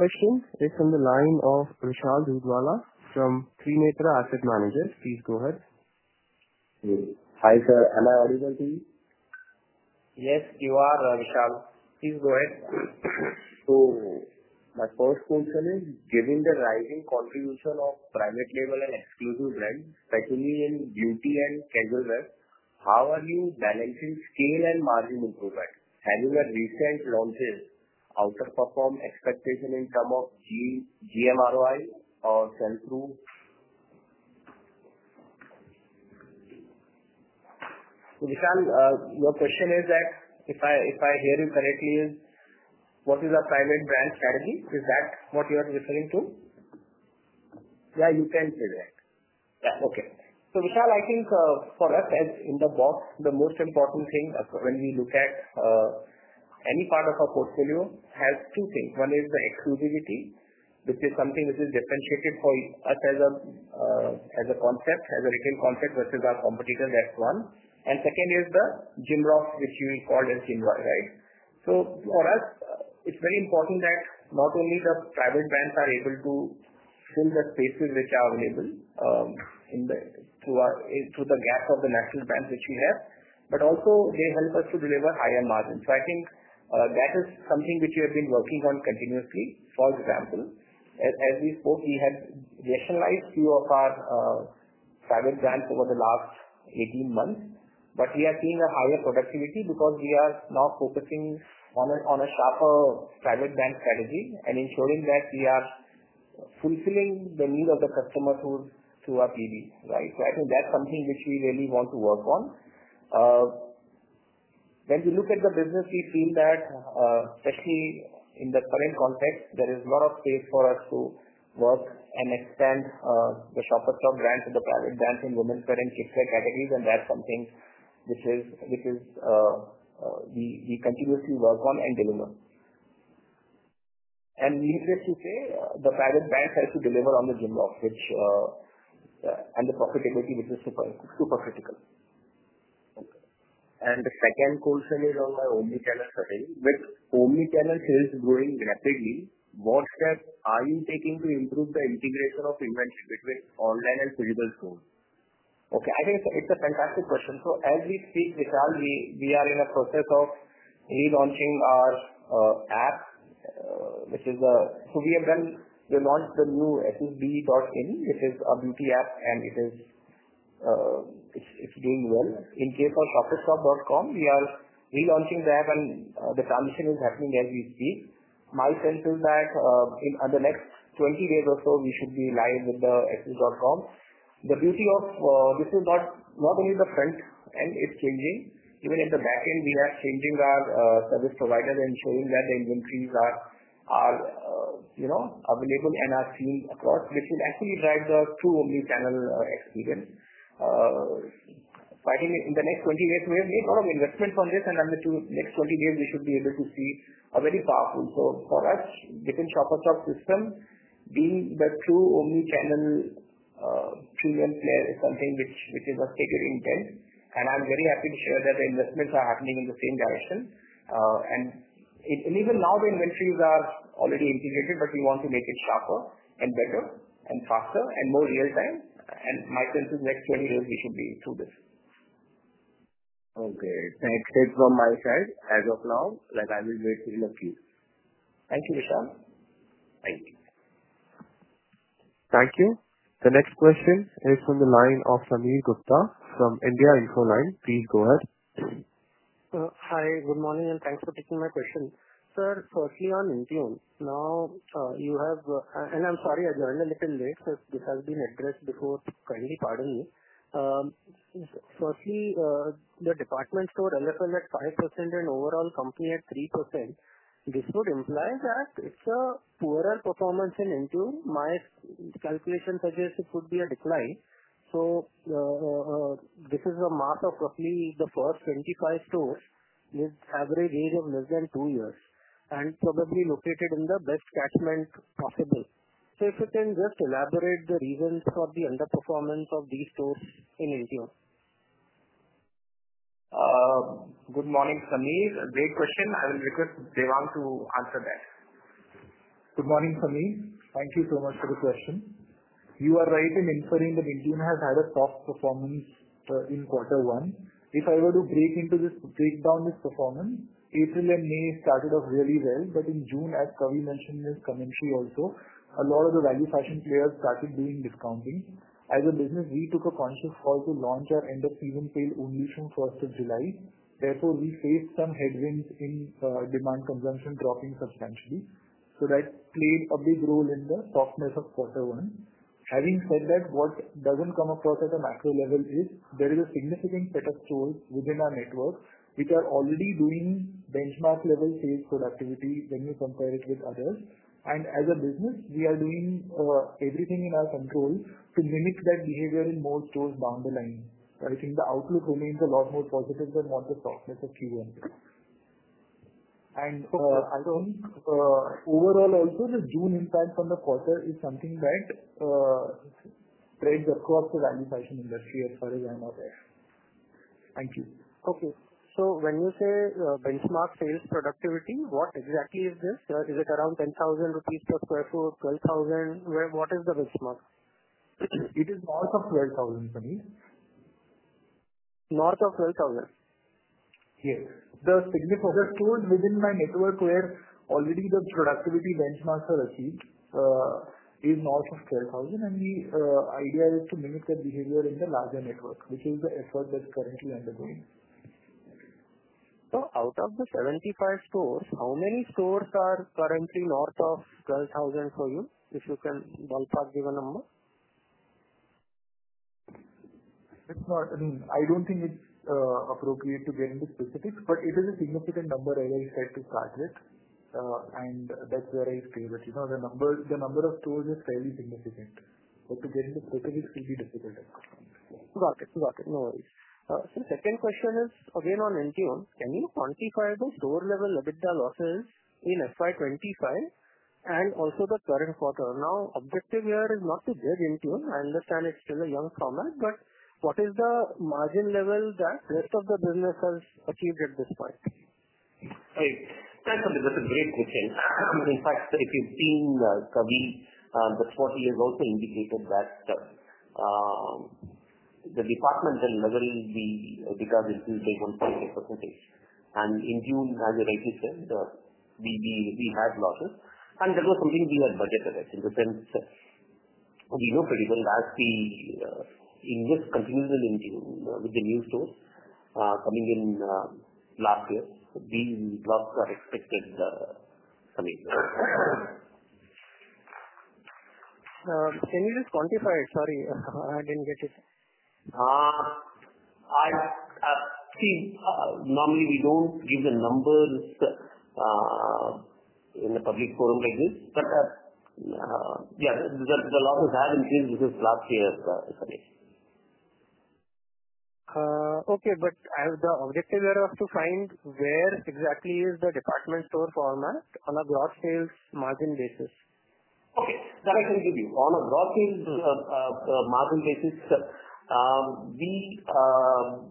Questions, please on the line of Vishal Dudwala from Trinetra Asset Managers. Please go ahead. Hi, sir. Am I audible to you? Yes, you are, Vishal. Please go ahead. My first concern is given the rising contribution of private label and exclusive brands, particularly in beauty and casual wear, how are you balancing scale and margin improvement? Has your recent launch outperformed expectations in terms of GMROI or sell-through? Vishal, your question is that, if I hear you correctly, is what is a private brand strategy? Is that what you are referring to? Yeah, you can say that. Yeah, okay. Vishal, I think for us as Shoppers Stop, the most important thing when we look at any part of our portfolio has two things. One is the exclusivity, which is something which is differentiated for us as a concept, as a retail concept versus our competitor, that's one. The second is the GMROI, which you called as GMROI, right? For us, it's very important that not only the private brands are able to fill the spaces which are available through the gaps of the national brands which we have, but also they help us to deliver higher margins. I think that is something which we have been working on continuously. For example, as we spoke, we had decentralized a few of our private brands over the last 18 months, but we have seen a higher productivity because we are now focusing on a proper private brand strategy and ensuring that we are fulfilling the needs of the customers who are through our PV, right? I think that's something which we really want to work on. When we look at the business, we feel that especially in the current context, there is a lot of space for us to work and extend the Shoppers Stop Kavindra Mishra brand to the private brands in women's wear and kids' wear categories. That's something which we continuously work on and deliver. Needless to say, the private brands have to deliver on the GMROI and the profitability, which is super critical. Okay. The second concern is on my omnichannel strategy, which omnichannel sales is growing rapidly. What steps are you taking to improve the integration of events between online and physical stores? Okay, I think it's a fantastic question. As we speak, Vishal, we are in a process of relaunching our app, which is the... We have done the launch of the new SDB.in. This is a beauty app and it is doing well. In case of ShoppersStop.com, we are relaunching that and the transition is happening as we speak. My sense is that in the next 20 days or so, we should be live with the SDB.in. The beauty of this is not only the front end is changing. Even in the back end, we are changing our service provider and ensuring that the inventories are available and are seen across, which will actually drive the true omnichannel experience. I think in the next 20 days, we have made a lot of investments on this and in the next 20 days, we should be able to see a very powerful... For us, within ShoppersStop.com, the true omnichannel freemium player is something which is us figuring out. I'm very happy to share that the investments are happening in the same direction. Even now, the inventories are already integrated, but we want to make it proper and better and faster and more real-time. My sense is in the next 20 days, we should be through this. Okay. It's safe from my side as of now. I will wait for your feedback. Thank you, Vishal. Thank you. Thank you. The next question is from the line of Sameer Gupta from India Infoline. Please go ahead. Hi, good morning and thanks for taking my question. Sir, firstly, on Intune now, you have... I'm sorry, I joined a little late. This has been addressed before. Kindly pardon me. Firstly, the departmental stores underperformed at 5% and overall company at 3%. This would imply that it's a poorer performance in Intune. My calculation suggests it would be a decline. This is a map of roughly the first 25 stores with average age of less than two years and probably located in the best catchment possible. Sir, if you can just elaborate the reasons for the underperformance of these stores in Intune. Good morning, Sameer. Great question. I will request Devang to answer that. Good morning, Sameer. Thank you so much for the question. You are right in inferring that Intune has had a soft performance in quarter one. If I were to break down this performance, April and May started off really well, but in June, as Kavi mentioned, it has come into play also, a lot of the value fashion players started doing discounting. As a business, we took a conscious call to launch our end-of-season sale only from 1st of July. Therefore, we faced some headwinds in demand consumption dropping substantially. That played a big role in the softness of quarter one. Having said that, what doesn't come across at a macro level is there is a significant set of stores within our network which are already doing benchmark-level sales productivity when we compare it with others. As a business, we are doing everything in our control to limit that behavior in more stores down the line. I think the outlook remains a lot more positive than what the softness of Q1 is. Also, the June impact from the quarter is something that spreads across the value fashion industry as far as I'm aware. Thank you. Okay. When you say benchmark sales productivity, what exactly is this? Is it around 10,000 rupees per square foot or 12,000? What is the benchmark? It is north of 12,000, Sameer. North of 12,000? Yes. The significant stores within my network where already the productivity benchmarks are received are north of 12,000, and we idealize it to mimic that behavior in the larger network, which is the effort that's currently undergone. Out of the 75 stores, how many stores are currently north of 12,000 for you? If you can ballpark give a number? I don't think it's appropriate to get into specifics, but it is a significant number, as I said, to start with. That's where I feel that the number of stores is fairly significant. To get into quarter is pretty difficult. Got it. No worries. The second question is, again, on Intune. Can you quantify the store-level liability losses in FY2025 and also the current quarter? The objective here is not to build Intune. I understand it's still a young format, but what is the margin level that most of the businesses achieved at this point? That's a great question. In fact, if you've seen Kavindra, the 40-year-old, they indicated that the department then leveraged the liability they wanted to facilitate. In June, as I rightly said, we had losses. That was something we were budgeted at, and we were pretty good. As the interest continues in Intune with the new stores coming in last year, these drops are expected. Can you just quantify it? Sorry, I didn't get it. Normally we don't give the numbers in the public forum like this, but yeah, the losses have increased since last year. Okay, the objective here is to find where exactly is the departmental store format on a gross sales margin basis? Okay. That I can give you. On a gross sales margin basis, for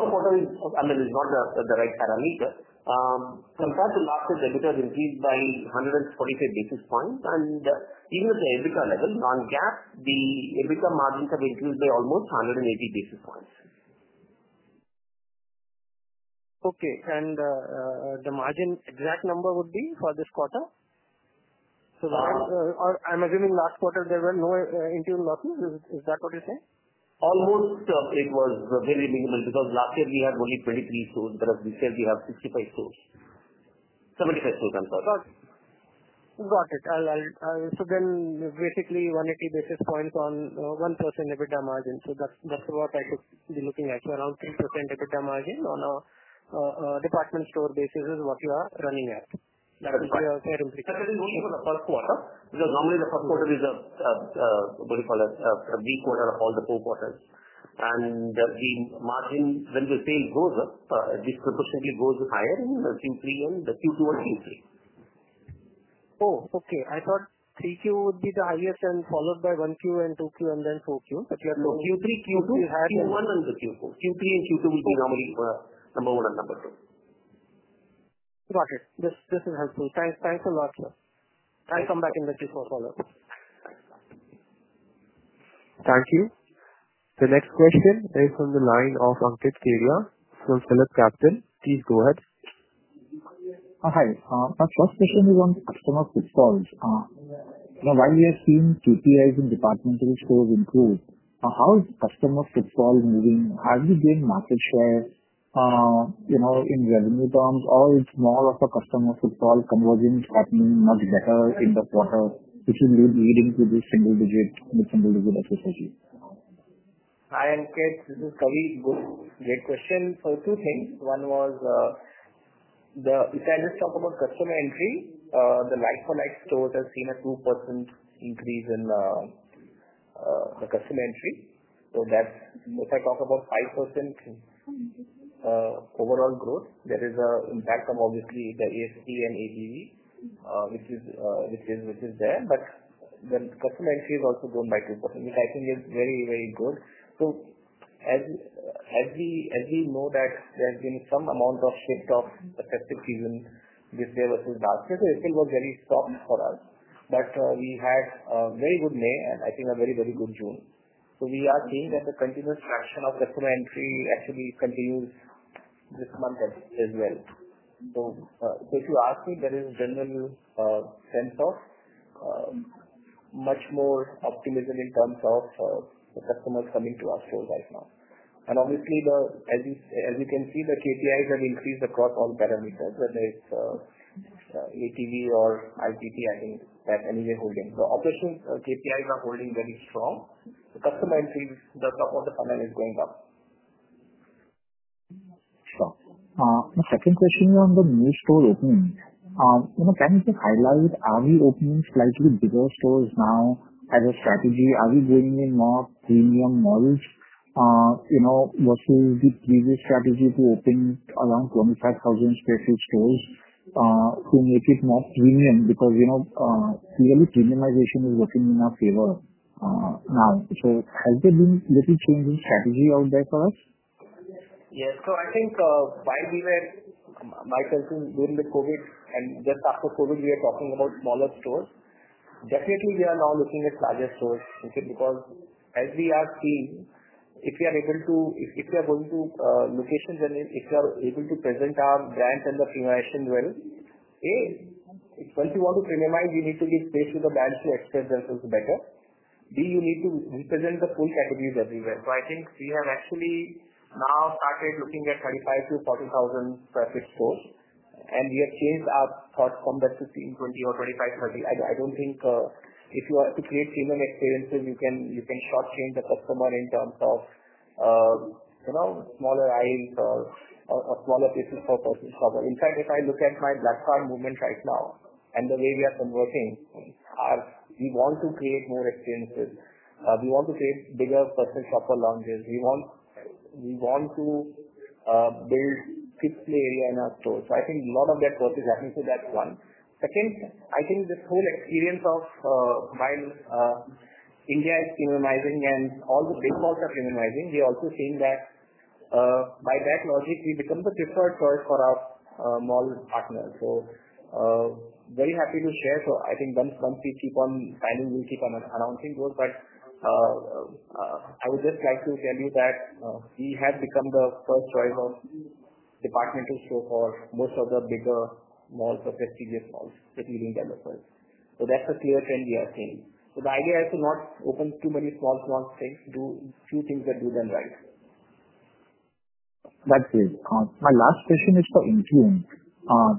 the quarter, I mean, it's not the right parameter. Compared to last quarter, they've increased by 145 basis points. Even at the EBITDA level, non-GAAP, the EBITDA margins have increased by almost 180 basis points. Okay. The margin exact number would be for this quarter? I'm assuming last quarter there were no Intune losses. Is that what you're saying? It was very minimal because last year we had only 23 stores, but as we said, we have 65 stores. 75 stores, I'm sorry. Got it. Got it. Basically, 180 basis points on 1% EBITDA margin. That's what I could be looking at. Around 3% EBITDA margin on a departmental store basis is what you are running at. That's correct. Especially looking at the first quarter, because normally the first quarter is a, what do you call it, a big quarter of all the four quarters. The margin, when the sales goes up, at least percentage goes higher in Q2 and Q3. Oh, okay. I thought Q3 would be the highest, followed by Q1 and Q2, and then Q4. You have Q3, Q2, Q1, and then Q4. Q3 and Q2 would be normally number one and number two. Got it. This is helpful. Thanks. Thanks a lot, sir. I'll come back in the Q4 follow-up. Thank you. The next question is from the line of Ankit Kedia, from Select Capital. Please go ahead. Hi. Our first question is on customer fit calls. Now, while we have seen QTIs in departmental stores improve, how is customer fit call moving? Have you gained market share, you know, in revenue terms, or is more of a customer fit call conversion shortening much better in the quarter, leading to this single-digit SSG? Hi, Ankit. This is Kavi. Great question. Two things. One was, if I just talk about customer entry, the like-for-like stores have seen a 2% increase in customer entry. If I talk about 5% overall growth, there is an impact from obviously the ASP and ABV, which is there. The customer entry has also grown by 2%, which I think is very, very good. As we know, there's been some amount of shift of effective season this year versus last year, so it's still very strong for us. We had a very good May and I think a very, very good June. We are seeing that the continuous traction of customer entry actually continues this month as well. If you ask me, there is a general sense of much more optimism in terms of the customers coming to our stores right now. Obviously, as you can see, the KPIs have increased across all parameters, whether it's ATV or IPT and MEA Holdings. Operational KPIs are holding very strong. The customer entry does not want to come in as going up. Sure. The second question is on the new store openings. Can you highlight, are we opening slightly bigger stores now as a strategy? Are we bringing in more premium models, you know, versus the previous strategy to open around 25,000 spaces stores, to make it more premium? Because, you know, clearly premiumization is working in our favor now. Has there been a little change in strategy out there for us? Yes. I think, while we were, my sense is during the COVID and just after COVID, we were talking about smaller stores. Definitely, we are now looking at larger stores because, as we are seeing, if we are able to, if you are going to locations and if you are able to present our brands and the premiumization well, A, once you want to premiumize, you need to give space to the brands to express themselves better. B, you need to represent the full categories everywhere. I think we have actually now started looking at 35,000 sq ft-30,000 sq ft stores. We have changed our thoughts from that to seeing 20,000 sq ft or 25,000 sq ft. I don't think, if you want to create premium experiences, you can start seeing the customer in terms of, you know, smaller aisles or smaller places for personal shopping. In fact, if I look at my platform movements right now and the way we are converting, we want to create more experiences. We want to create bigger personal shopper launches. We want to build sixth play area in our stores. I think a lot of that growth is happening to that one. Second, I think this whole experience of, while India is premiumizing and all the big malls are premiumizing, we're also seeing that, by that logic, we become the preferred choice for our mall partners. Very happy to share. I think dumb trumps we keep on planning, we keep on announcing those. I would just like to tell you that we have become the first choice of departmental stores for most of the bigger malls or prestigious malls receiving developers. That's a clear trend we are seeing. The idea is to not open too many small, small things, do a few things that do them right. That's it. My last question is for Intune.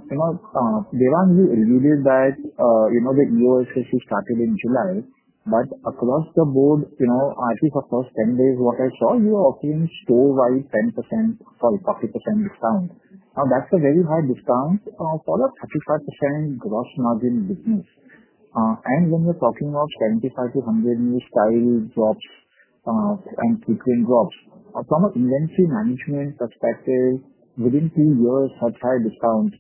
Devang, you did that, you know, the end-of-season issue started in July, but across the board, you know, I think across 10 days, what I saw, you're looking store-wide 10% for profit percent discount. Now, that's a very high discount for a 35% gross margin in business. When we're talking of 75-100 new style drops, and key trend drops, from an inventory management perspective, within two years, such high discount.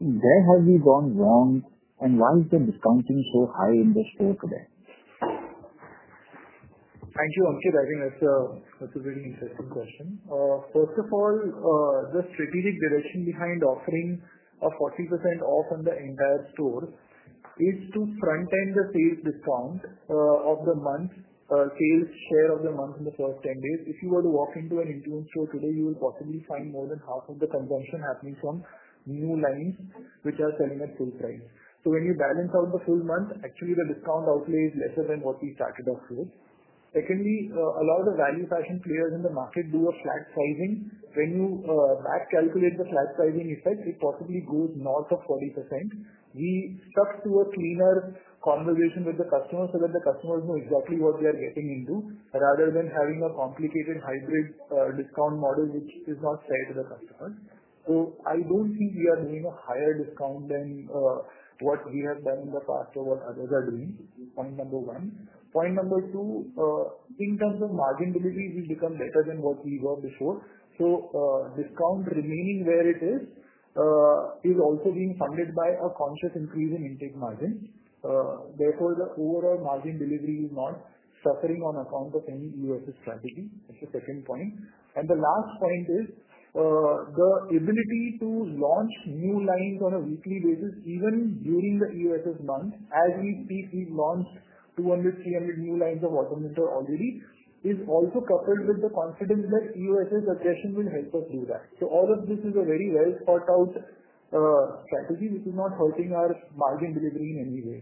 Where have we gone wrong? Why is the discounting so high in this day-to-day? Thank you. Thank you, Ankit. That's a really interesting question. First of all, the strategic direction behind offering a 40% off on the entire store is to front-end the sales discount of the month, sales share of the month in the first 10 days. If you were to walk into an Intune store today, you will probably find more than half of the consumption happening from new lines, which are selling at full price. When you balance out the full month, actually, the discount outlay is lesser than what we started off with. Secondly, a lot of the value fashion players in the market do a flat sizing. When you back-calculate the flat sizing effect, it possibly goes north of 40%. We stuck to a cleaner conversation with the customers so that the customers know exactly what they are getting into, rather than having a complicated hybrid discount model, which is not fair to the customers. I don't think we are doing a higher discount than what we have done in the past or what others are doing, point number one. Point number two, in terms of margin delivery, we've become better than what we were before. Discount remaining where it is, is also being funded by a conscious increase in intake margin. Therefore, the overall margin delivery is not suffering on account of any end-of-season sales strategy. That's the second point. The last point is, the ability to launch new lines on a weekly basis, even during the end-of-season sales month, as we see we've launched 200 CME new lines of automobile already, is also coupled with the confidence that end-of-season sales' aggression will help us do that. All of this is a very well thought-out strategy, which is not hurting our margin delivery in any way.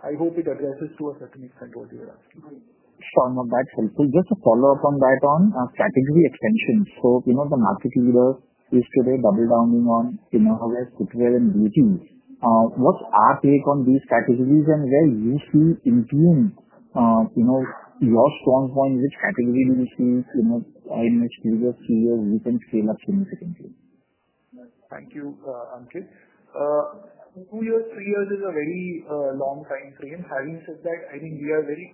I hope it addresses to a certain extent what you're asking. That's helpful. Just to follow up on that, on our strategy extensions, the market leader is today double-downing on how we are structuring in retails. What's our take on these categories and where you see Intune, your strong point, which category do you see in which you just see your route and scale up significantly? Thank you, Ankit. Two years, three years is a very long time frame. Having said that, I think we are very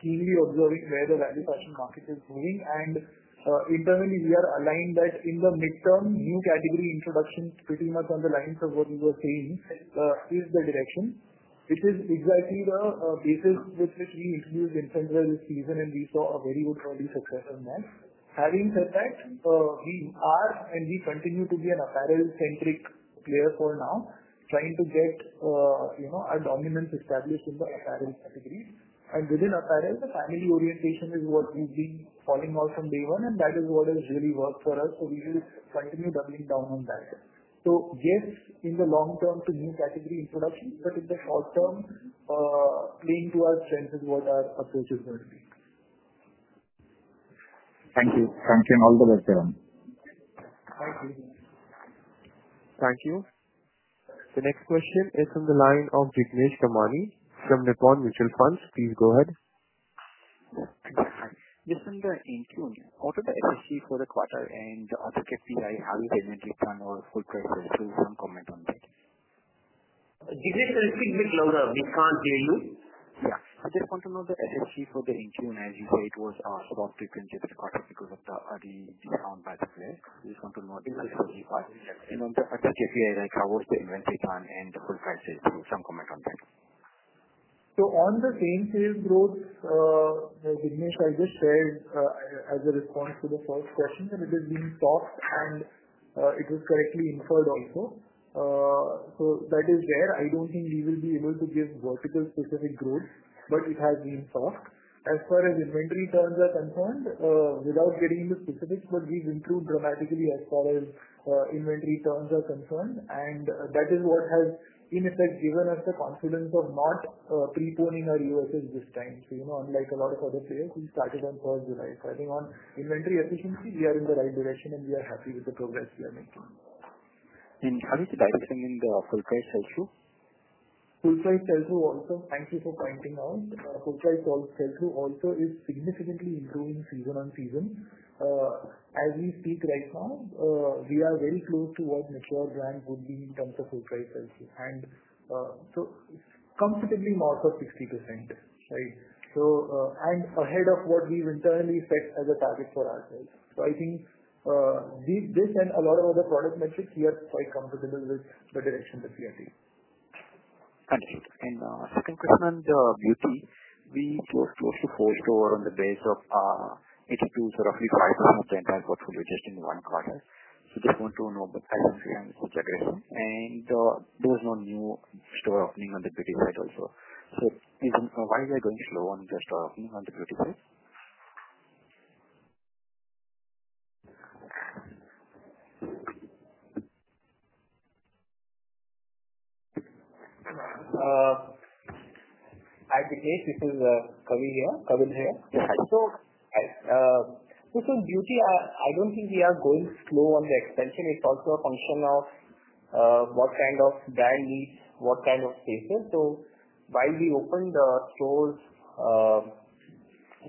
keenly observing where the value fashion market is moving. Internally, we are aligned that in the midterm, new category introductions pretty much on the lines of what we were saying is the direction. It is exactly the basis with which we used in centralized this season, and we saw a very good early success in that. We are, and we continue to be, an apparel-centric player for now, trying to get our dominance established in the apparel categories. Within apparel, the family orientation is what we've been calling out from day one, and that is what has really worked for us. We will continue doubling down on that. Yes, in the long term, it's a new category introduction, but in the short term, being to our sense is what our approach is going to be. Thank you. Thanks and all the best, Devang. Thank you. The next question is from the line of Gigneesh Kumari from Nippon Mutual Fund. Please go ahead. Yes, from the Intune. What are the ROC for the quarter? After the QTI, how is the inventory turnover for the quarter? One comment on that. Gigneesh, can you speak a bit louder? We can't hear you. Yeah. Just want to know the ROC for the Intune. As you say, it was about frequency of the quarter because of the early discount by the floor. We just want to know the increase for the QTI. On the QTI, how was the inventory turn and the full price sales growth? Some comment on that. On the same-store sales growth, Gigneesh, I just said, as a response to the first question, that it has been stopped, and it was correctly inferred also. That is there. I don't think we will be able to give vertical-specific growth, but it has been so. As far as inventory turns are concerned, without getting into specifics, we've improved dramatically as far as inventory turns are concerned. That is what has, in effect, given us the confidence of not pre-turning our end-of-season sales this time. Unlike a lot of other players, we started on July 1. I think on inventory efficiency, we are in the right direction and we are happy with the progress we are making. How do you see that extending the full price sales growth? Full price sales growth also. Thank you for pointing out. Full price sales growth also is significantly improving season on season. As we speak right now, we are very close to what a major brand would be in terms of full price sales growth, and it's comfortably north of 50%, right? It's ahead of what we've internally set as a target for ourselves. I think this and a lot of other product metrics, we are quite comfortable with the direction that we are taking. The second question on the routine, we chose to support store on the base of 82. Roughly 5% of 10 times what we're taking in one quarter. I just want to know the currency and the situation. There was no new store opening in the QTI also. Even while we are going slow on the store opening in the QTI... I have the case. This is Kavi here. Go ahead. This is beauty. I don't think we are going slow on the expansion. It's also a function of what kind of brand needs, what kind of cases. While we opened the stores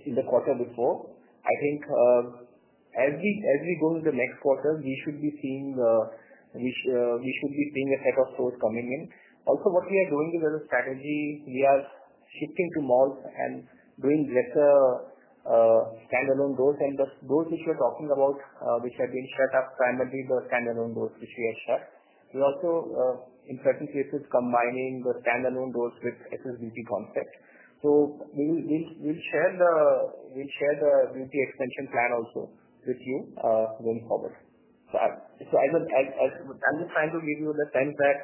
in the quarter before, I think as we go into the next quarter, we should be seeing a set of stores coming in. Also, what we are doing is as a strategy, we are shifting to malls and doing fewer standalone doors. The doors we're talking about, which have been set up, are primarily the standalone doors which we have set. In certain cases, we are also combining the standalone doors with SSBT concepts. We'll share the beauty expansion plan with you when it covers. Sure. I would, as I'm just trying to give you the sense that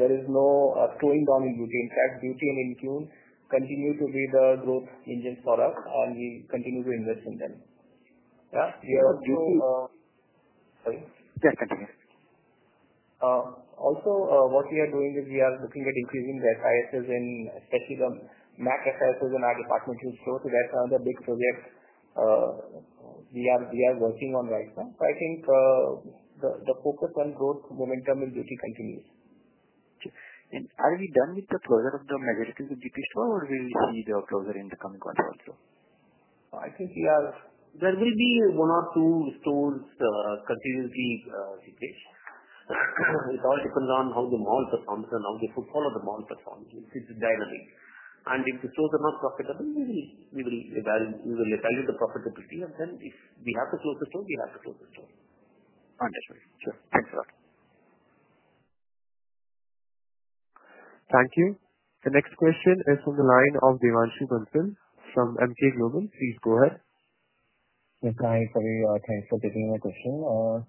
there is no slowing down in beauty. In fact, beauty and Intune continue to be the growth engines for us, and we continue to invest in them. Yeah. Yeah. Yeah, continue. Also, what we are doing is we are looking at increasing the SISs and especially the MAC SRPs in our departmental stores because that's another big project we are working on right now. I think the focus on growth momentum in beauty continues. Are we done with the closure of the MegaStreet GP store, or will we need a closure in the coming quarter also? I think we are. There will be one or two stores continuously situated. That's good. It all depends on how the mall performs and how they should follow the mall's performance. It's dynamic. If the stores are not profitable, we will evaluate either the profitability, and then if we have to close the store, we have to close the store. Understood. Sure, thanks a lot. Thank you. The next question is from the line of Devanshi Pimpin from MK Global. Please go ahead. Thanks, Kavi. Thanks for taking my question.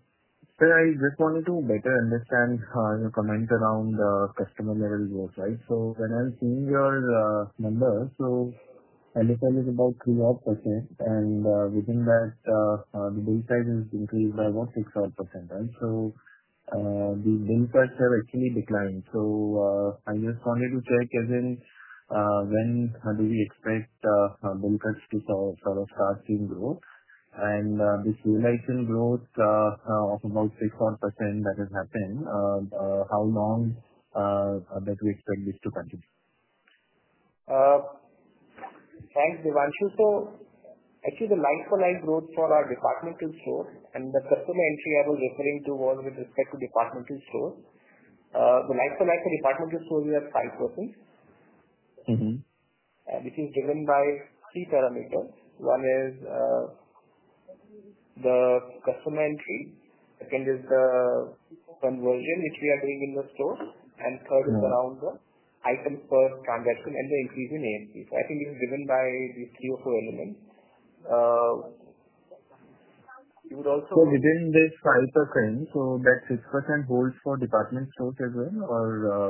Sir, I just wanted to better understand your comment around the customer level growth, right? When I'm seeing your numbers, LSR is about 3%, and within that, the bill size has increased by about 6%. The bill size has actually declined. I just wanted to check, as in, when do we expect bill size to sort of start seeing growth? This reliable growth of about 6% that has happened, how long do we expect this to continue. Thanks, Devanshi. Actually, the like-for-like growth for our departmental stores and the customer entry I was referring to was with respect to departmental stores. The like-for-like for departmental stores, we have 5%. Mm-hmm. This is driven by three parameters. One is the customer entry. Second is the conversion which we are doing in the store. Third is around the items per transaction and the increase in AFP. I think it's driven by these three or four elements. You would also say. Within this 5%, that 6% holds for departmental stores as well, or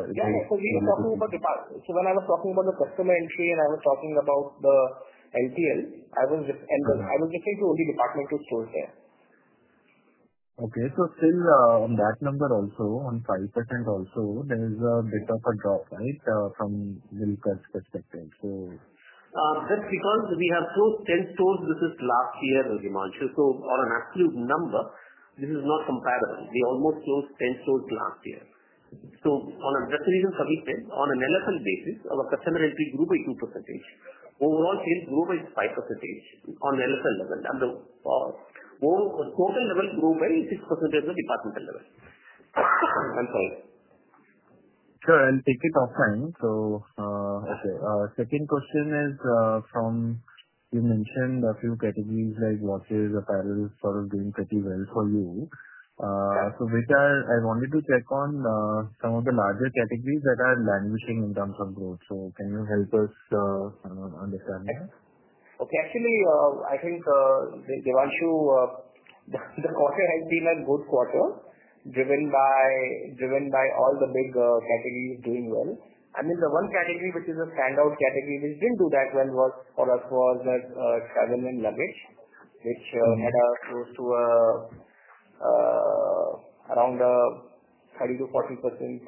is that? Yes. When I was talking about the customer entry and I was talking about the LTLs, I was referring to only departmental stores here. Okay. Still, on that number also, on 5% also, there's a bit of a drop, right, from the Lukas perspective. That's because we have closed 10 stores. This is last year, Devanshi. On an absolute number, this is not comparable. We almost closed 10 stores last year. Just to reiterate Kavi's statement, on a like-for-like basis, our customer entry grew by 2%. Overall sales grew by 5% on a like-for-like level, and the total grew by 6% on the departmental level. I'm sorry. Take it offline. Our second question is from, you mentioned a few categories like watches, apparels, products doing pretty well for you. Vichar, I wanted to check on some of the larger categories that are languishing in terms of growth. Can you help us understand here? Okay. Actually, I think Devanshi, the quarter has been a good quarter driven by all the big categories doing well. I mean, the one category which is a standout category which didn't do that well for us was the travel and luggage, which had a close to around a 30%-40%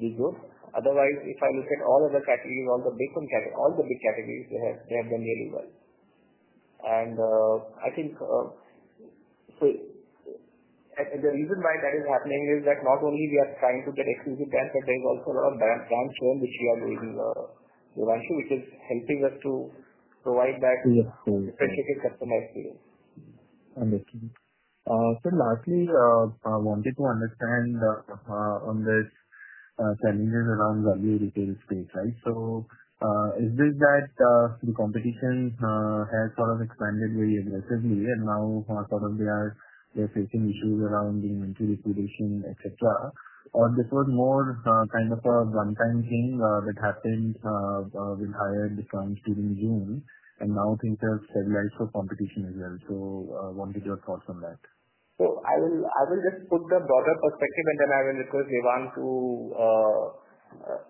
regroup. Otherwise, if I look at all of the categories, all the big ones, all the big categories, they have done really well. I think the reason why that is happening is that not only are we trying to get exclusive brands, but there's also a brand storm which we are doing in Devanshi, which is helping us to provide that specific customer experience. Understood. Lastly, I wanted to understand the challenges around value retail space, right? Is this that the competition has sort of expanded very aggressively and now they're facing issues around the entry reputation, etc.? Or was this more kind of a one-time thing that happened with higher discounts during June and now things have stabilized for competition as well? I wanted your thoughts on that. I will just put the broader perspective and then I will request Devang to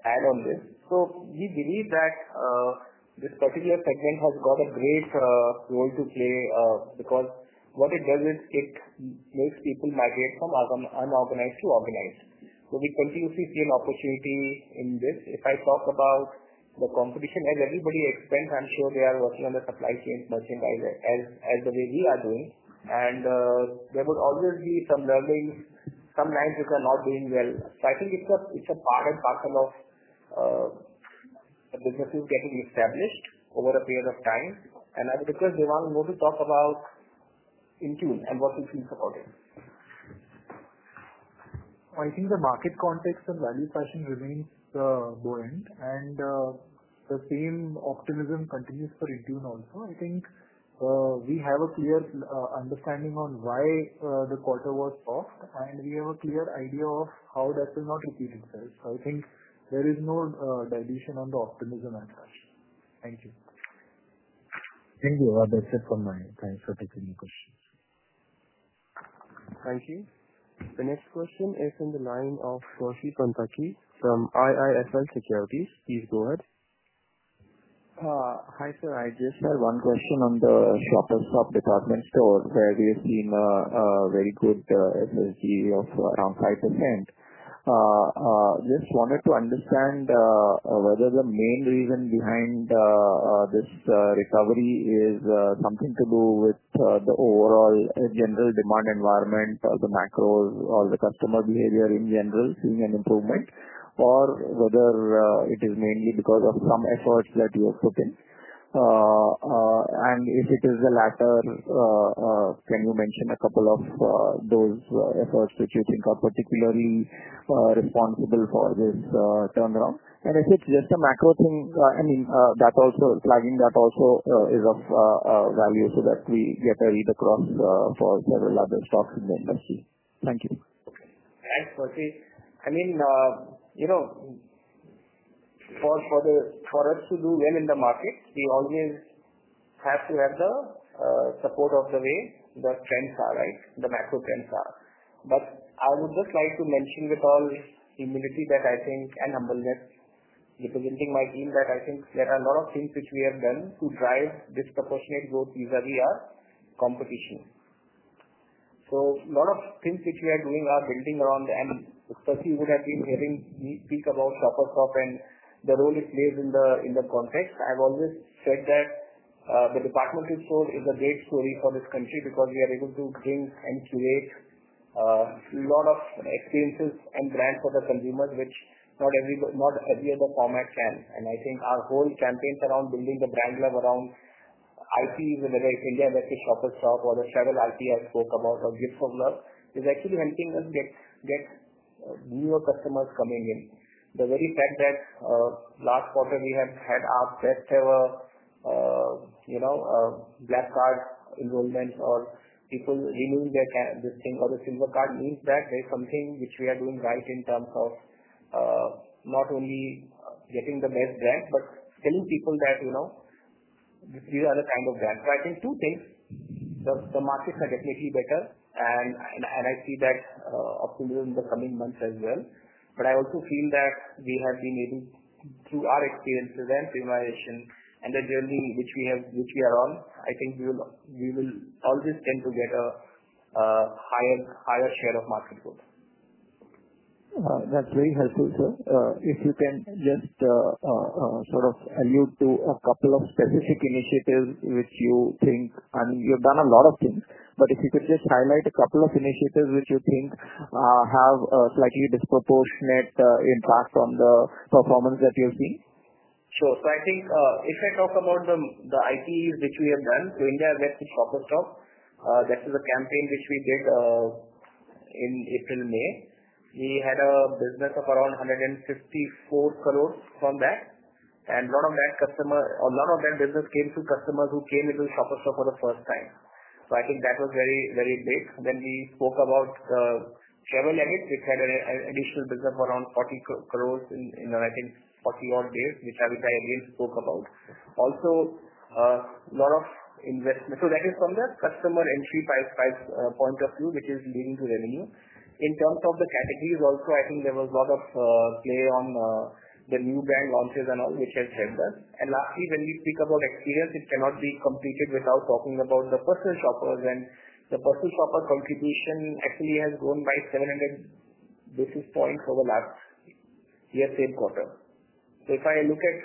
add on this. We believe that this particular segment has got a great role to play, because what it does is it makes people migrate from unorganized to organized. We continuously see an opportunity in this. If I talk about the competition, as everybody expands, I'm sure they are working on the supply chain merchandise as the way we are doing. There will always be some learnings, some lines which are not doing well. I think it's a part and parcel of a business that we've established over a period of time. I would request Devang to talk about Intune and what he thinks about it. I think the market context and value pricing remains the low end, and the same optimism continues for Intune also. I think we have a clear understanding on why the quarter was soft, and we have a clear idea of how that will not repeat itself. I think there is no dilution on the optimism at all. Thank you. Thank you. That's it from my side for taking the question. Thank you. The next question is from the line of Soshi Pontocchi from IIFL Securities. Please go ahead. Hi, sir. I just had one question on the Shoppers Stop departmental store where there's been a very good SSG of around 5%. I just wanted to understand whether the main reason behind this recovery is something to do with the overall general demand environment or the macros or the customer behavior in general seeing an improvement, or whether it is mainly because of some efforts that you have put in. If it is the latter, can you mention a couple of those efforts which you think are particularly responsible for this turnaround? If it's just a macro thing, I mean, plugging that also is of value so that we get a read across for the other stocks in the industry. Thank you. As per se, I mean, you know, for us to do well in the markets, we always have to have the support of the way the trends are, right? The macro trends are. I would just like to mention with all humility and humbleness representing my team that I think there are a lot of things which we have done to drive disproportionate growth vis-à-vis our competition. A lot of things which we are doing are building on. Especially what you've been hearing me speak about Shoppers Stop and the role it plays in the context. I've always said that the departmental store is a great story for this country because we are able to think and create a lot of experiences and brands for the consumers, which not everybody, not every other format can. I think our whole campaigns around building the brand love around IPs in the West India and West East Shoppers Stop or the travel IP I spoke about or Gifts of Love is actually helping us get newer customers coming in. The very fact that last quarter we have had our first ever Black Card enrollments or people renewing their this thing or the Silver Card means that there's something which we are doing right in terms of not only getting the best brands, but telling people that, you know, these are the kind of brands. I think two things. The markets are definitely better. I see that optimism in the coming months as well. I also feel that we have been able, through our experiences and premiumization and the journey which we have which we are on, I think we will always tend to get a higher share of market growth. That's very helpful, sir. If you can just allude to a couple of specific initiatives which you think, and you've done a lot of things, but if you could just highlight a couple of initiatives which you think have a slightly disproportionate impact on the performance that you've seen. Sure. I think, if I talk about the IPs which we have done to India and West East Shoppers Stop, this is a campaign which we did in April, May. We had a business of around 154 crore from that, and a lot of that business came through customers who came into Shoppers Stop for the first time. I think that was very, very big. We spoke about Gifts of Love, which had an additional business of around 40 crore in, I think, 40-odd days, which I again spoke about. Also, a lot of investment. That is from that customer entry price point of view, which is leading to revenue. In terms of the categories, I think there was a lot of play on the new brand launches and all, which has helped us. Lastly, when we speak about experience, it cannot be completed without talking about the personal shoppers. The personal shopper contribution actually has grown by 700 basis points over last year's same quarter. If I look at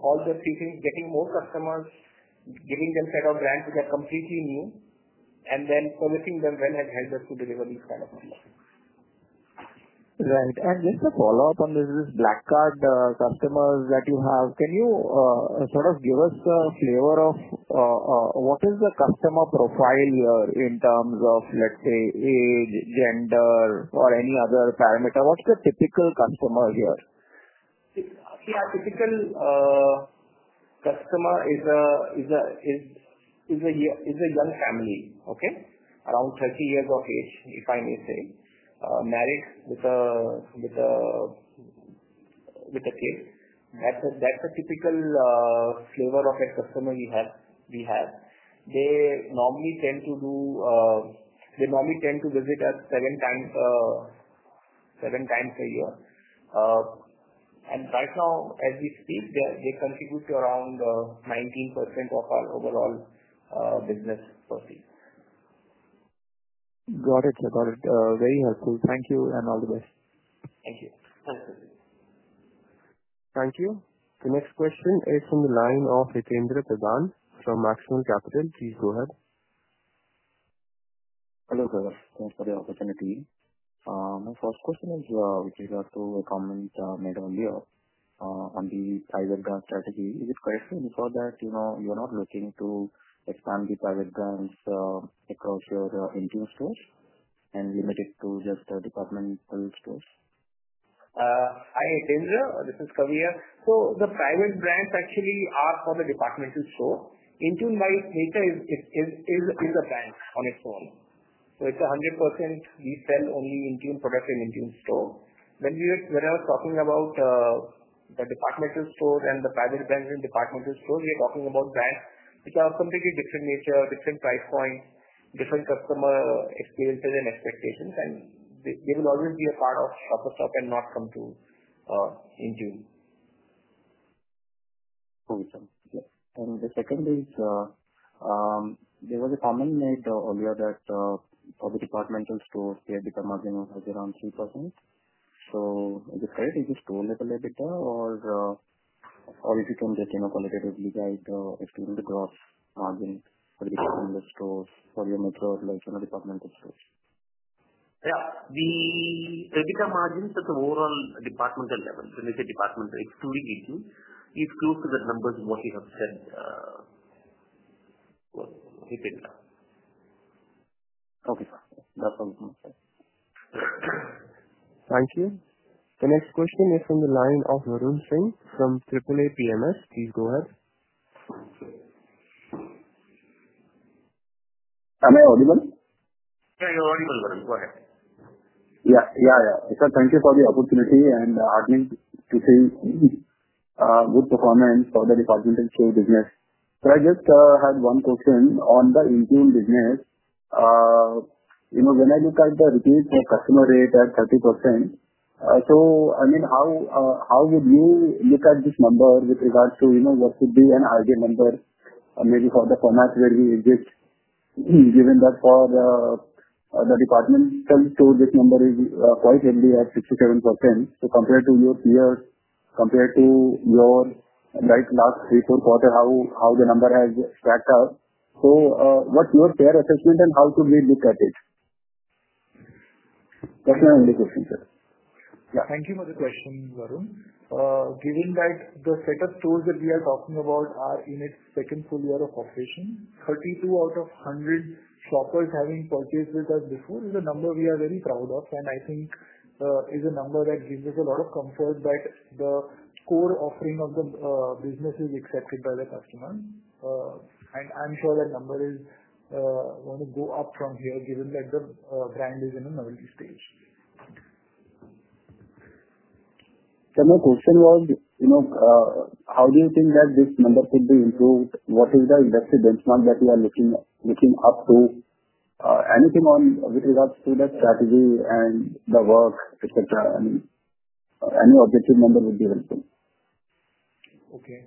all the seeking, getting more customers, giving them a set of brands which are completely new, and then promising them rent has helped us to deliver these kinds of things. Right. Just a follow-up on this, these Black Card customers that you have, can you give us a flavor of what is the customer profile here in terms of, let's say, age, gender, or any other parameter? What's the typical customer here? See, our typical customer is a young family, okay? Around 30 years of age, if I may say, married with a kid. That's a typical flavor of a customer we have. They normally tend to visit us seven times a year, and right now, as we speak, they contribute to around 19% of our overall business profit. Got it. Very helpful. Thank you and all the best. Thank you. Thank you. The next question is from the line of Hikendra Peban from Maxwell Capital. Please go ahead. Hello, sir. Thanks for the opportunity. My first question is, with regard to the comments made earlier on the private brand strategy, is it a question that, you know, you're not looking to expand the private brands across your Intune stores and limit it to just the departmental stores? Hi, Hikendra. This is Kavi here. The private brands actually are for the departmental store. Intune, by nature, is a brand on its own. It's 100% we sell only Intune products in Intune stores. When we are talking about the departmental stores and the private brands in departmental stores, we're talking about brands which are a completely different nature, different price point, different customer experiences and expectations. They will always be a part of Shoppers Stop and not come to Intune. Understood. The second is, there was a comment made earlier that, for the departmental stores, their margin was around 3%. Is it fair? Is it still in the EBITDA, or is it on the, you know, qualitative growth margin for the departmental stores, or you're more focused on the departmental stores? Yeah. The EBITDA margin at the overall departmental level, when we say departmental, it's fully built in, is close to the numbers of what we have said, Hikendra. Okay, sir. That's all. Thank you. The next question is from the line of Varun Singh from AAA PMS. Please go ahead. Are we audible? Yeah, you're audible, Varun. Go ahead. Thank you for the opportunity. I think, good performance for the departmental store business. I just had one question on the Intune business. When I look at the repeat customer rate at 30%, how would you look at this number with regards to what could be an ideal number maybe for the formats where we exist, given that for the departmental stores, this number is quite heavy, at 67%. Compared to your peers, compared to your last Q3, how the number has stacked up. What's your fair assessment and how could we look at it? That's my only question, sir. Thank you for the question, Varun. Given that the set of stores that we are talking about are in its second full year of operation, 32 out of 100 shoppers having purchased with us before is a number we are very proud of. I think it's a number that gives us a lot of comfort that the core offering of the business is accepted by the customers. I'm sure that number is going to go up from here, given that the brand is in a novelty stage. Sir, my question was, you know, how do you think that this number could be improved? What is the industry benchmark that we are looking up to? Anything with regards to that strategy and the works, etc.? I mean, any objective number would be helpful. Okay.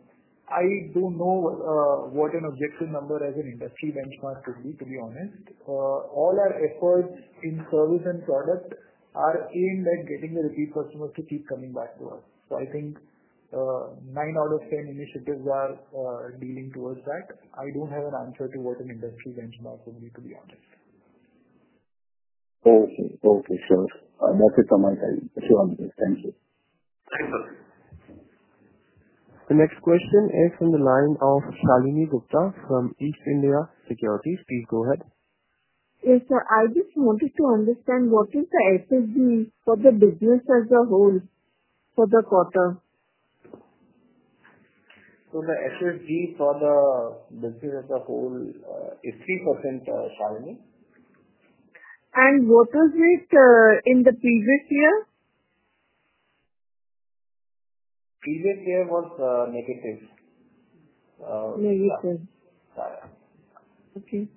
I don't know what an objective number as an industry benchmark would be, to be honest. All our efforts in service and product are aimed at getting the repeat customers to keep coming back to us. I think 9 out of 10 initiatives are dealing towards that. I don't have. Okay, sure. I'm okay from my side. Sure, thank you. The next question is from the line of Shalini Gupta from East India Securities. Please go ahead. Yes, sir. I just wanted to understand what is the SSG for the business as a whole for the quarter? The SSG for the business as a whole is 3% for me. What was it in the previous year? Previous year was negative. Negative. Okay.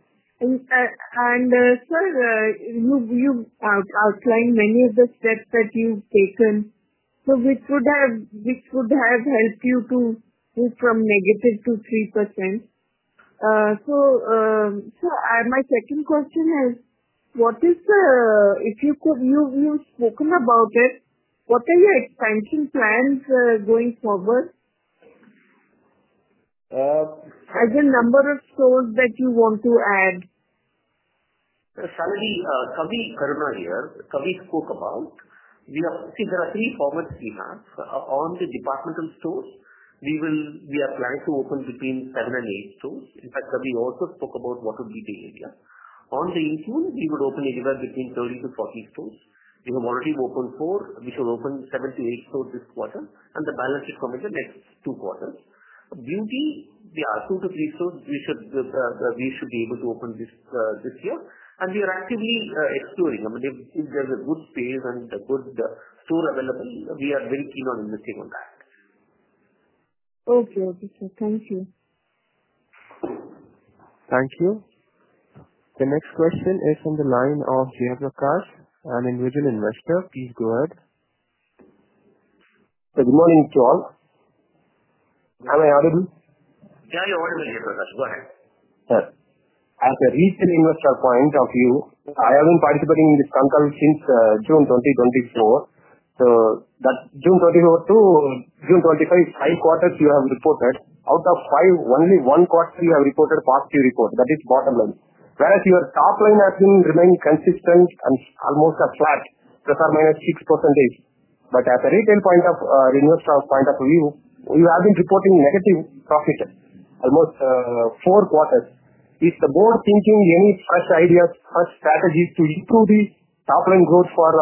Sir, you've outlined many of the steps that you've taken, which would have helped you to move from negative to 3%. My second question is, what is the, if you've spoken about it, what are your expansion plans going forward and the number of stores that you want to add. Shalini, Karuna here. Kavi spoke about, we are, see, there are three formats we have on the departmental store. We are planning to open between seven and eight stores. In fact, Kavi also spoke about what would be the area. On the Intune, we would open anywhere between 30-40 stores. We have already opened four. We should open seven to eight stores this quarter, and the balance should be for the next two quarters. Beauty, there are two to three stores we should be able to open this year. We are actively exploring. If there's a good pace and a good store available, we are very keen on investing on that. Okay, okay, sir. Thank you. Thank you. The next question is from the line of Jayavakar. I'm an individual investor. Please go ahead. Good morning, Jay. Am I audible? Yeah, you're audible. Jay, you're audible. Go ahead. Sir, as a recent investor acquiring of you, I have been participating in this conference since June 2024. That June 24th to June 25th, five quarters you have reported. Out of five, only one quarter you have reported positive report. That is bottom line. Whereas your top line has been remaining consistent and almost flat, ±6%. At the retail point of view, you have been reporting negative profits, almost four quarters. Is the board thinking any first ideas, first strategies to improve these top-line growths for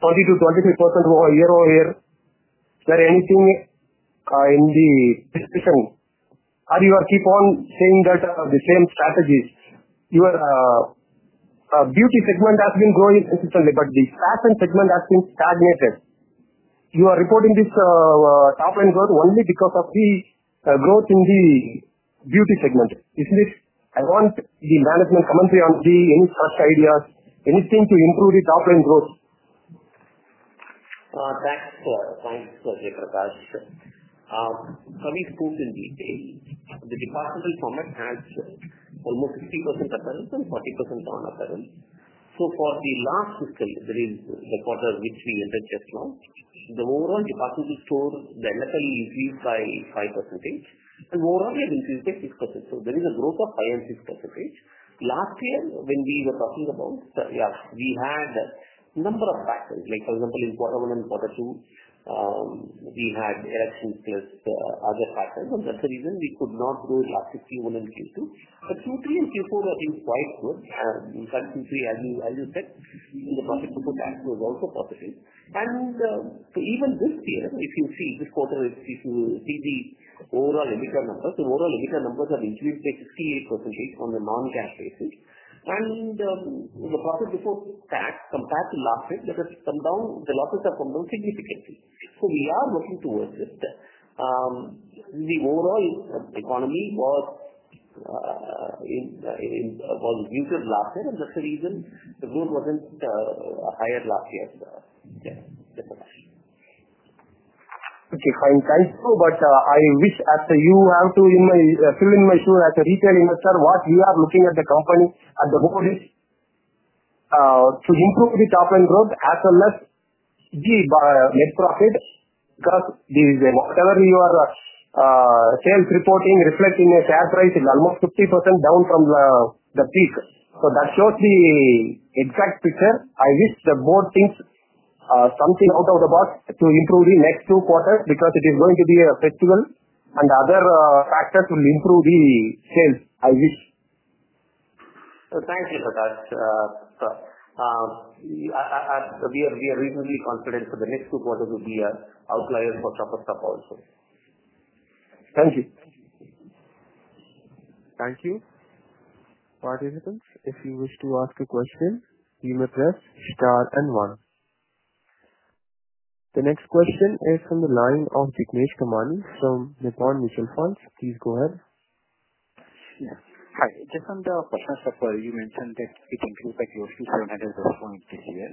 20%-23% year-over-year? Is there anything in the discussion? You keep on saying that the same strategies. Your beauty segment has been growing consistently, but the fashion segment has been stagnated. You are reporting this top-line growth only because of the growth in the beauty segment. Is this? I want the management commentary on the first ideas, anything to improve the top-line growth? That's for our clients, Kavi Karuna. Kavi spoke in detail. The departmental format has almost 50% apparel and 40% non-apparel. For the last history, there is the quarter which we'll address just now. The overall departmental store, the NFL is used by 5%. Overall, we have increased by 6%. There is a growth of higher than 6%. Last year, when we were talking about, yes, we had a number of backsides. For example, in quarter one and quarter two, we had election sales to other backsides. That's the reason we could not go last year Q1 and Q2. Q3 and Q4 were quite good. In fact, Q3, as you said, the market was also positive. Even this year, if you see, this quarter is Q2 PV overall indicator numbers. The overall indicator numbers are increasing by 68% on the non-GAAP basis. The profit reports compared to last year, they have come down. The losses have come down significantly. We are looking towards this. The overall economy was weaker last year. That's the reason the growth wasn't higher last year. Okay. If I'm trying to, I wish after you have to fill in my story as a retail investor, what you are looking at the company at the whole risk to improve the top-line growth as unless the net profit plus whatever your sales reporting reflect in the share price is almost 50% down from the peak. That shows the exact picture. I wish the board thinks something out of the box to improve the next two quarters because it is going to be a festival and other factors will improve the sales, I wish. Thank you for that. We are reasonably confident for the next two quarters to be outliers for Shoppers Stop also. Thank you. Thank you. Participants, if you wish to ask a question, you may press star and one. The next question is from the line of Gigneesh Kumari from Nippon Mutual Fund. Please go ahead. Hi. Just on the personal support, you mentioned that speaking to the official and other growth points this year,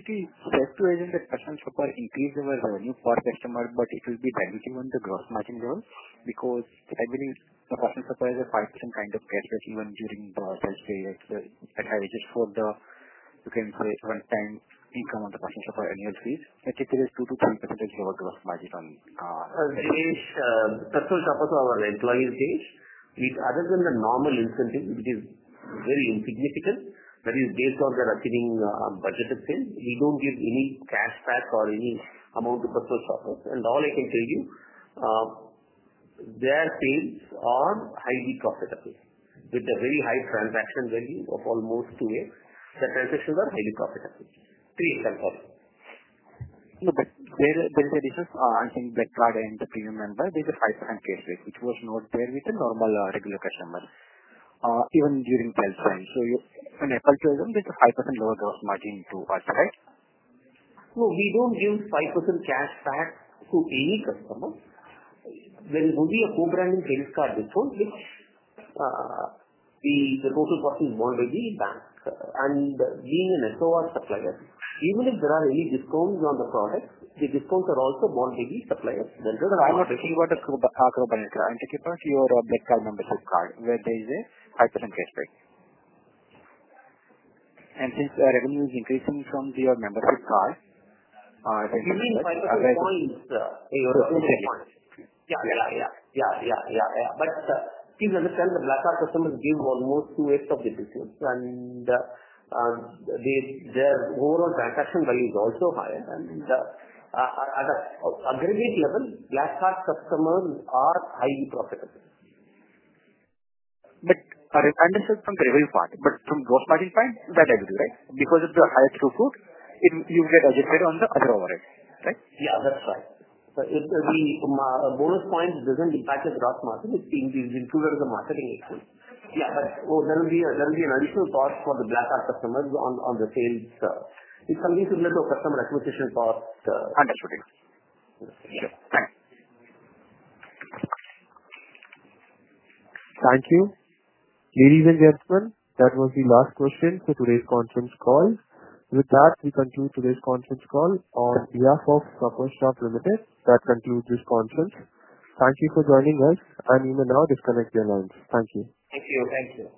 it is best to aim the personal support increases over revenue for customers, but it will be dilution on the gross margin growth because I believe the personal support is a partition kind of care that you want during the adult period. At higher risk for the you can create one-time income on the personal support annual fees. I think it is 2%-3% over gross margin on. Personal support for our employees is other than the normal incentive, which is very insignificant. That is based on the receiving budgeted pay. We don't give any cashback or any amount to personal support. All I can tell you, their sales are highly profitable with a very high transaction value of almost 2x. The transactions are highly profitable, 3x and more. There is a difference. I think that by the end of premium member, there's a 5% case rate, which was not there with the normal regular customer, even during 12th round. On April 2nd, there's a 5% lower gross margin to personalize. No, we don't give 5% cashback to any customer. There is only a co-branded daily store with only the total cost in bondage in that. Being an SOR supplier, even if there are any discounts on the product, the discounts are also bondage suppliers. I'm not asking about the Black Card. It's about your big-time membership card where there is a 5% case rate. Since the revenue is increasing from your membership card, I think. Giving points. Your rewards. Please understand the Black Card customers give almost 2x of the business. Their overall transaction value is also higher. At the aggregate level, Black Card customers are highly profitable. I understand from the revenue part, but from both parties' point, what I will do, right? Because of the highest throughput, you get adjusted on the other overhead, right? Yeah, that's right. The bonus points don't impact the gross margin. It's being used in the marketing excuse. Yeah. There will be an additional cost for the Black Card customers on the sales. It's something similar to a customer acquisition cost. Understood. Okay. Thanks. Thank you. Ladies and gentlemen, that was the last question for today's conference call. With that, we conclude today's conference call on behalf of Shoppers Stop Limited. That concludes this conference. Thank you for joining us. I'm Emanuel. Disconnect your lines. Thank you. Thank you. Thank you.